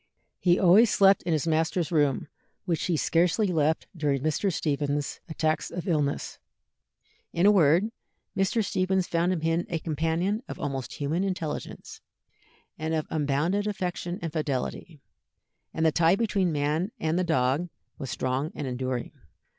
He always slept in his master's room, which he scarcely left during Mr. Stephens's attacks of illness. In a word, Mr. Stephens found in him a companion of almost human intelligence, and of unbounded affection and fidelity, and the tie between the man and the dog was strong and enduring.